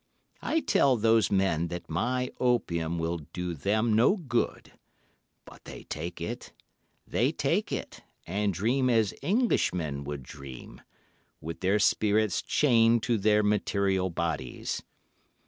I tell those men that my opium will do them no good, but they take it; they take it, and dream as Englishmen would dream—with their spirits chained to their material bodies.